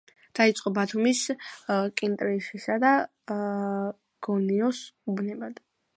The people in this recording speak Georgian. დაიყო ბათუმის, კინტრიშისა და გონიოს უბნებად.